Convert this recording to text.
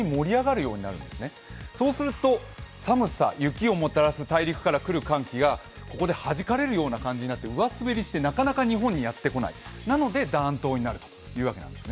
そうすると、寒さ、雪をもたらす大陸から来る寒気がここではじかれるような感じになるので、上滑りしてなかなか日本にやってこないなので暖冬になるというわけなんです。